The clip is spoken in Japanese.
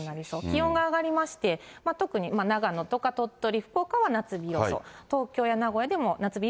気温が上がりまして、特に長野とか鳥取、福岡は夏日予想、東京や名古屋でも夏日